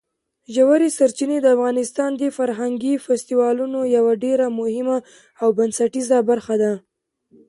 ژورې سرچینې د افغانستان د فرهنګي فستیوالونو یوه ډېره مهمه او بنسټیزه برخه ده.